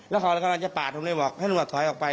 แล้วเขากำลังจะปาดผมเลยบอกให้ตำรวจถอยออกไป